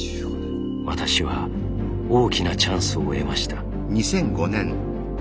私は大きなチャンスを得ました。